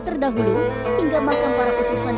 terdahulu hingga makam para petusan